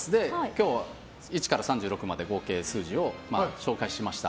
今日１から３６までの合計数字を紹介しました。